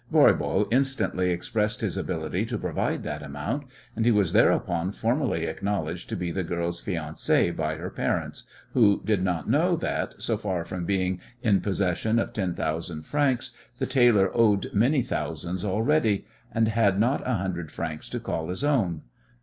Voirbo instantly expressed his ability to provide that amount, and he was thereupon formally acknowledged to be the girl's fiancé by her parents, who did not know that, so far from being in possession of ten thousand francs, the tailor owed many thousands already, and had not a hundred francs to call his own.